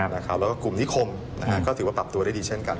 แล้วก็กลุ่มนิคมก็ถือว่าปรับตัวได้ดีเช่นกัน